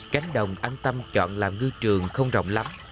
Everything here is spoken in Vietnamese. cánh đồng an tâm chọn làm ngư trường không rộng lắm